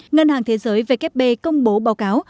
ngân hàng thế giới wpb công bố báo cáo